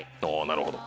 なるほど。